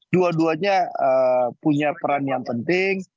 dua duanya punya peran yang penting